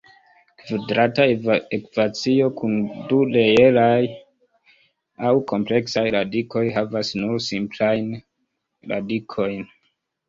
Kvadrata ekvacio kun du reelaj aŭ kompleksaj radikoj havas nur simplajn radikojn.